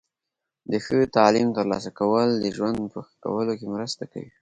د ښه تعلیم ترلاسه کول د ژوند په ښه کولو کې مرسته کوي.